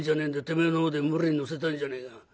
てめえの方で無理に乗せたんじゃねえか。